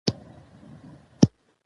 کار زمينه ورته برابره کړي.